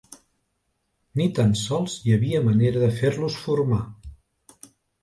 Ni tan sols hi havia manera de fer-los formar.